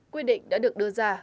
quyết định đã được đưa ra